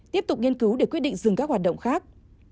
tiếp tục nghiên cứu để quyết định dừng các hoạt động khác